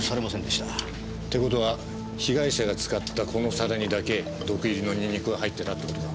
って事は被害者が使ったこの皿にだけ毒入りのニンニクが入ってたって事か？